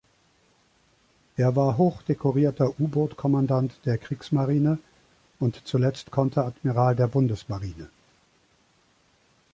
Er war hochdekorierter U-Boot-Kommandant der Kriegsmarine und zuletzt Konteradmiral der Bundesmarine.